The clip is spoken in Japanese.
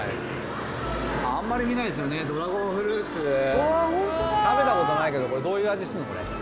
あんまり見ないですよね、ドラゴンフルーツ、食べたことないけど、これ、どういう味すんの、これ。